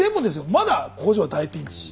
まだ工場は大ピンチ。